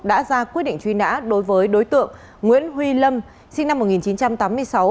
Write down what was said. đã ra quyết định truy nã đối với đối tượng nguyễn huy lâm sinh năm một nghìn chín trăm tám mươi sáu